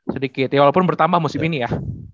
sedikit walaupun bertambah musim ini ya